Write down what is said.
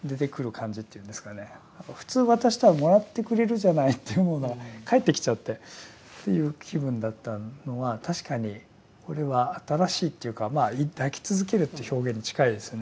普通渡したらもらってくれるじゃないって思うのが帰ってきちゃってっていう気分だったのは確かにこれは新しいというか抱き続けるっていう表現に近いですね。